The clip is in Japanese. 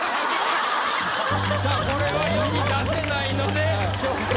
さあこれは世に出せないので消去します。